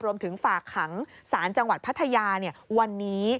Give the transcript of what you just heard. รวมถึงฝากขังสารจังหวัดพัทยาวันนี้